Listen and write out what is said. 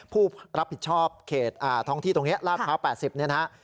ผู้รับผิดชอบเขตท้องที่ตรงนี้ลาดพร้าว๘๐เนี่ยนะฮะ